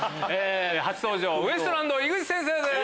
初登場ウエストランド・井口先生です。